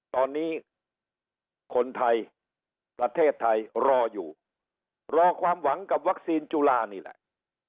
ตอนนี้คนไทยประเทศไทยรออยู่รอความหวังกับวัคซีนจุลานี่แหละ